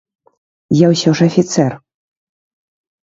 Я ўсё ж афіцэр.